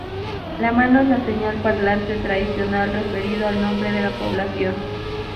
La mano es la señal parlante tradicional referido al nombre de la población.